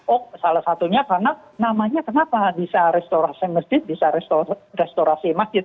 oh salah satunya karena namanya kenapa bisa restorasi masjid bisa restorasi masjid